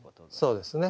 そうですね。